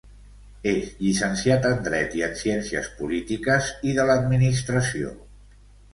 És llicenciat en Dret i en Ciències Polítiques i de l'Administració.